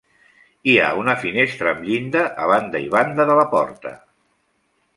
Hi ha una finestra amb llinda a banda i banda de la porta.